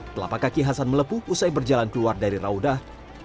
telapak kaki hasan melepuh usai berjalan keluar dari raudah